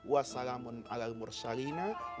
wa salamun alal mursalinah